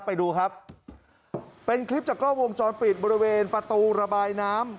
ไปดูครับเป็นคลิปจากกล้องวงจรปิดบริเวณประตูระบายน้ำ